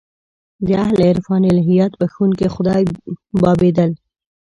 د اهل عرفان الهیات بخښونکی خدای بابېدل.